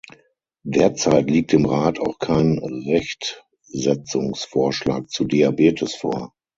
Derzeit liegt dem Rat auch kein Rechtsetzungsvorschlag zu Diabetes vor.